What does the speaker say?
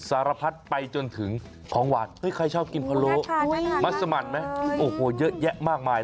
สารพัดไปจนถึงของหวานเฮ้ยใครชอบกินพะโลมัสมันไหมโอ้โหเยอะแยะมากมาย